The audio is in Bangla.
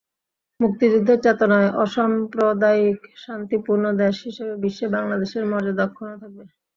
মুক্তিযুদ্ধের চেতনায় অসাম্প্রদায়িক শান্তিপূর্ণ দেশ হিসেবে বিশ্বে বাংলাদেশের মর্যাদা অক্ষুণ্ন থাকবে।